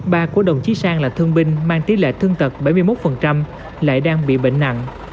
ba của đồng chí sang là thương binh mang tỷ lệ thương tật bảy mươi một lại đang bị bệnh nặng